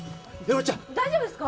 大丈夫ですか？